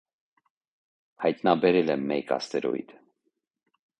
Հայտնաբերել է մեկ աստերոիդ։